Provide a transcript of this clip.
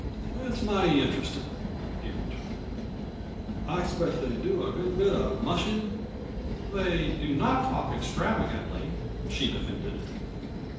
"That's mighty interestin'," he returned. "I expect they do a good bit of mushin'?" "They do not talk extravagantly," she defended.